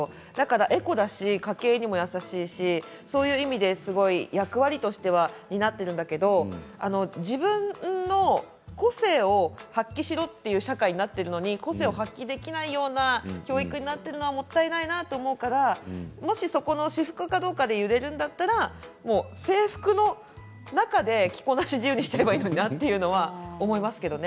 エコだし、家計にも優しいしそういう意味で役割としては担っているんだけれど自分の個性を発揮しろという社会になっているのに個性を発揮できないような教育になっているのはもったいないなと思うからもし、そこの私服かどうかで揺れるんだったら制服の中で着こなし自由にしちゃえばいいのになと思いますけどね。